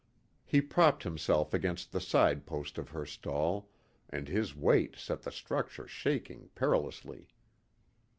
He propped himself against the side post of her stall, and his weight set the structure shaking perilously.